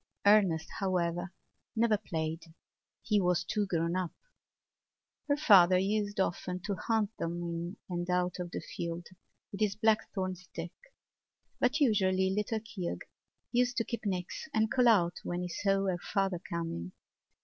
Ernest, however, never played: he was too grown up. Her father used often to hunt them in out of the field with his blackthorn stick; but usually little Keogh used to keep nix and call out when he saw her father coming.